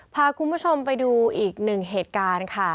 พาคุณผู้ชมไปดูอีกหนึ่งเหตุการณ์ค่ะ